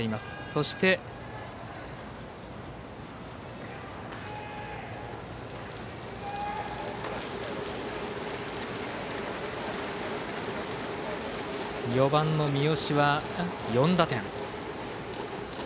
そして、４番の三好は４打点。